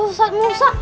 ini biar diobat